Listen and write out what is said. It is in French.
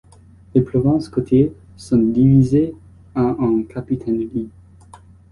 Les provinces côtières sont divisées en un capitaineries.